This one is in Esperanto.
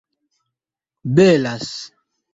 belas